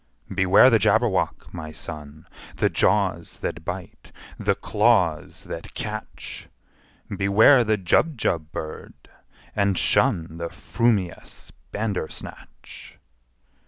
"Beware the Jabberwock, my son! The jaws that bite, the claws that catch! Beware the Jubjub bird, and shun The frumious Bandersnatch!"